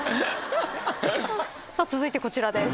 続いてこちらです。